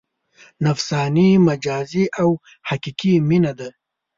نفساني، مجازي او حقیقي مینه ده.